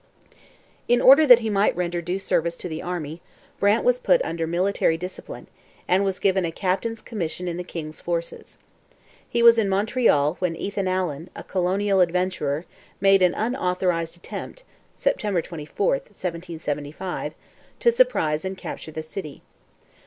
In order that he might render due service to the army, Brant was put under military discipline, and was given a captain's commission in the king's forces. He was in Montreal when Ethan Allen, a colonial adventurer, made an unauthorized attempt (Sept. 24, 1775) to surprise and capture the city.